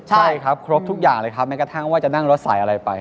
ใช่ครับครบทุกอย่างเลยครับแม้กระทั่งว่าจะนั่งรถใส่อะไรไป